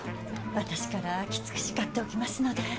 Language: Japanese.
私からきつく叱っておきますので。